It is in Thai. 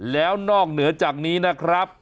แล้วนอกเหนือจากนี้นะครับ